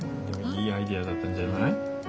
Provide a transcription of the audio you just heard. でもいいアイデアだったんじゃない？